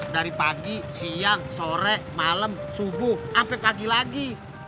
dari pagi siang sore malam subuh sampai pagi lagi